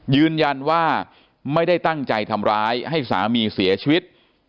ยืนยันว่าไม่ได้ตั้งใจทำร้ายให้สามีเสียชีวิต